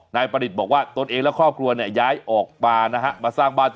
นายประดิษฐ์บอกว่าตนเองและครอบครัวเนี่ยย้ายออกมานะฮะมาสร้างบ้าน